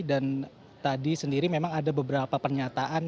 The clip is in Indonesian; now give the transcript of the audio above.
dan tadi sendiri memang ada beberapa pernyataan